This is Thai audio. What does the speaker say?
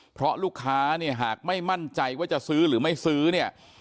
เพราะลูกค้าเนี่ยหากไม่มั่นใจว่าจะซื้อหรือไม่ซื้อเนี่ย